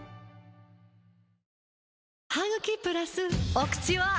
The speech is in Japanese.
お口は！